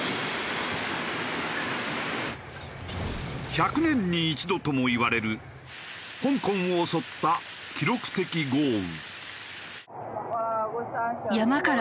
１００年に一度ともいわれる香港を襲った記録的豪雨。